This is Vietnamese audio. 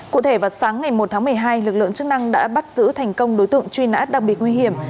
cụ thể vào sáng ngày một tháng một mươi hai lực lượng chức năng đã bắt giữ thành công đối tượng truy nã đặc biệt nguy hiểm